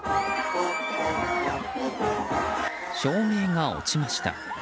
照明が落ちました。